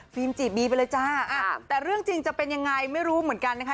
จีบบีไปเลยจ้าแต่เรื่องจริงจะเป็นยังไงไม่รู้เหมือนกันนะคะ